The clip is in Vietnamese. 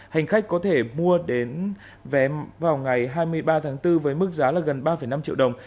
hành khách có thể mua đến vé vào ngày hai mươi ba tháng bốn với mức giá là gần ba năm triệu đồng